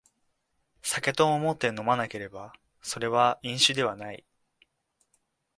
酒と思って飲まなければそれは飲酒ではない